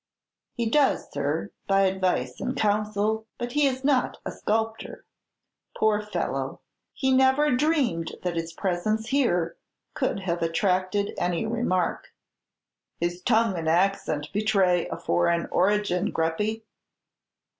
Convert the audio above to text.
"He does, sir, by advice and counsel; but he is not a sculptor. Poor fellow! he never dreamed that his presence here could have attracted any remark." "His tongue and accent betray a foreign origin, Greppi?"